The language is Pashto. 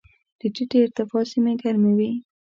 د ټیټې ارتفاع سیمې ګرمې وي.